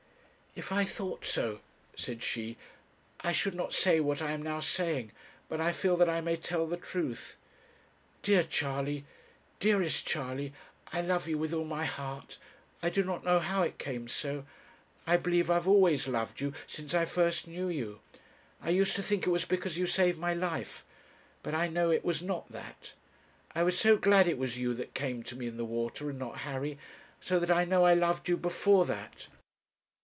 'If I thought so,' said she, 'I should not say what I am now saying; but I feel that I may tell the truth. Dear Charley, dearest Charley, I love you with all my heart I do not know how it came so; I believe I have always loved you since I first knew you; I used to think it was because you saved my life; but I know it was not that. I was so glad it was you that came to me in the water, and not Harry; so that I know I loved you before that.'